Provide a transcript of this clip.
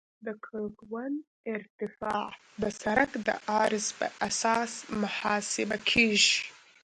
د کرون ارتفاع د سرک د عرض په اساس محاسبه کیږي